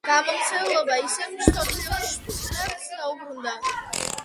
გამომცემლობა ისევ მშობლიურ შტუტგარტს დაუბრუნდა.